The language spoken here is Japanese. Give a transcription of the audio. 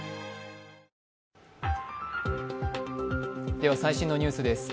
では最新のニュースです。